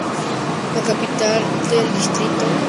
La capital del distrito es la ciudad de Villach-Land.